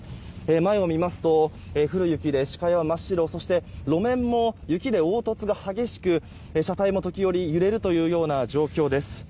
前を見ますと降る雪で視界は真っ白、そして路面も雪で凹凸が激しく車体も時折揺れるというような状況です。